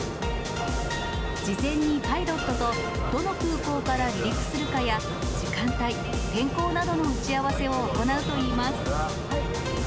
事前にパイロットと、どの空港から離陸するかや、時間帯、天候などの打ち合わせを行うといいます。